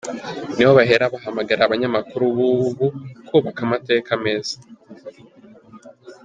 Niho bahera bahamagarira abanyamakuru b’ubu kubaka amateka meza.